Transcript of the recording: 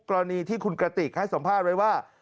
กรณีที่คุณกระติกให้สัมภาษณ์ไว้ว่า